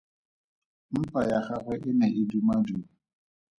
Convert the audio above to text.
Mpa ya gagwe e ne e dumaduma.